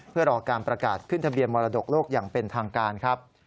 เพื่อรอการประกาศขึ้นทะเบียนมรดกโลกอย่างเป็นทางการครับ